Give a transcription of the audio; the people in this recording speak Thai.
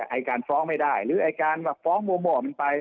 ไอการฟ้องไม่ได้หรือไอการฟ้องหัวไป